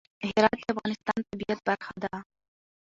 هرات د افغانستان د طبیعت برخه ده.